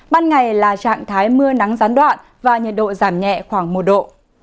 ban ngày là trạng thái mưa nắng gián đoạn và nhiệt độ giảm nhẹ khoảng một độ